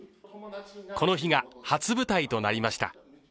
この日が初舞台となりました。